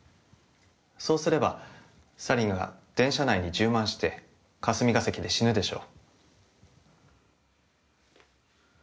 そうすればサリンが電車内に充満して霞ケ関で死ぬでしょう。